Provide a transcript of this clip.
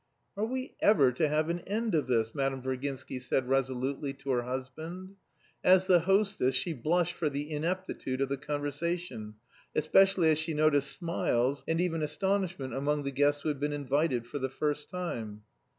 "Are we ever to have an end of this?" Madame Virginsky said resolutely to her husband. As the hostess, she blushed for the ineptitude of the conversation, especially as she noticed smiles and even astonishment among the guests who had been invited for the first time.